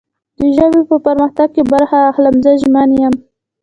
د ژبې په پرمختګ کې برخه اخلم. زه ژمن یم